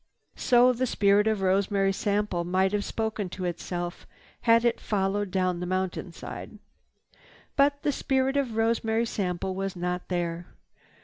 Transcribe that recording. So the spirit of Rosemary Sample might have spoken to itself had it followed down the mountainside. But the spirit of Rosemary Sample was not there.